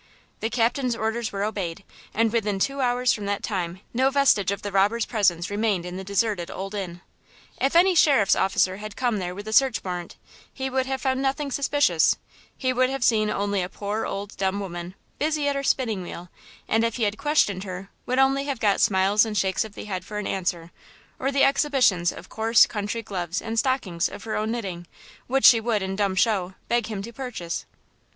The captain's orders were obeyed, and within two hours from that time no vestige of the robbers' presence remained in the deserted Old Inn. If any Sheriff's officer had come there with a search warrant, he would have found nothing suspicious; he would have seen only a poor old dumb woman, busy at her spinning wheel; and if he had questioned her would only have got smiles and shakes of the head for an answer, or the exhibitions of coarse country gloves and stockings of her own knitting, which she would, in dumb show, beg him to purchase.